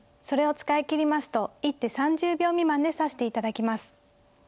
それを使い切りますと一手３０秒未満で指して頂きます。